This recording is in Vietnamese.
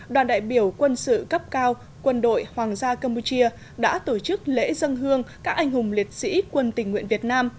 đoàn đại biểu quân sự cấp cao quân đội hoàng gia campuchia đã tổ chức lễ dân hương các anh hùng liệt sĩ quân tình nguyện việt nam